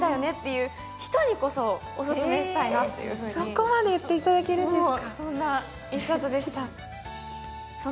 そこまで言っていただけるんですか。